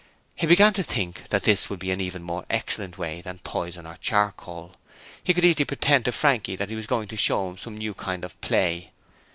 He began to think that this would be an even more excellent way than poison or charcoal; he could easily pretend to Frankie that he was going to show him some new kind of play.